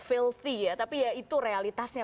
filty ya tapi ya itu realitasnya